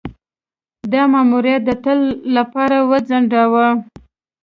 دا ماموریت د تل لپاره وځنډاوه.